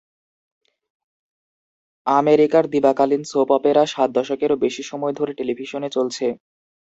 আমেরিকার দিবাকালীন soap opera সাত দশকেরও বেশি সময় ধরে টেলিভিশনে চলছে।